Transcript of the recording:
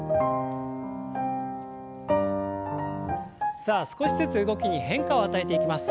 さあ少しずつ動きに変化を与えていきます。